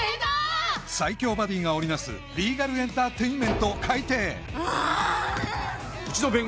最強バディーが織り成すリーガルエンターテインメント開廷。